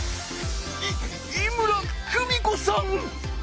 いっ井村久美子さん！